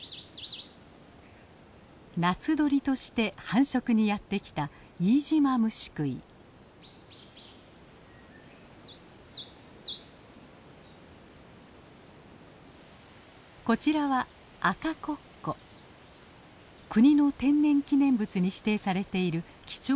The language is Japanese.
夏鳥として繁殖にやって来たこちらは国の天然記念物に指定されている貴重な鳥です。